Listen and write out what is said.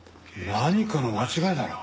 何かの間違いだろ？